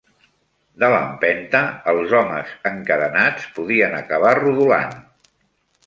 De l'empenta, els homes encadenats podien acabar rodolant.